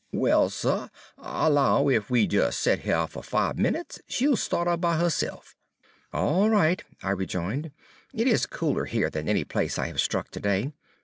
"Well, suh, I 'low ef we des set heah fo' er fibe minutes, she'll sta't up by herse'f." "All right," I rejoined; "it is cooler here than any place I have struck today.